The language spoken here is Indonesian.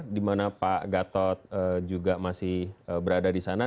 dimana pak gatot juga masih berada di sana